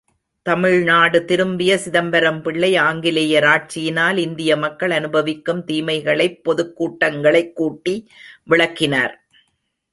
தமிழ்நாடு திரும்பிய சிதம்பரம் பிள்ளை, ஆங்கிலேயர் ஆட்சியினால் இந்திய மக்கள் அனுபவிக்கும் தீமைகளைப் பொதுக் கூட்டங்களைக் கூட்டி விளக்கினார்.